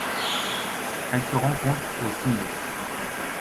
Elle se rencontre au Sind.